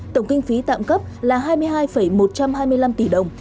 tổng kinh phí tạm cấp là hai mươi hai một trăm hai mươi năm tỷ đồng